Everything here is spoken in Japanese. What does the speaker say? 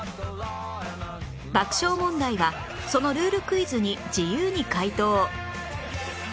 爆笑問題はそのルールクイズに自由に解答